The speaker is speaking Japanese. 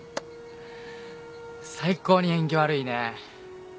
最高に縁起悪いね。